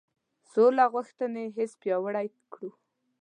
سوله غوښتنې حس پیاوړی کړو.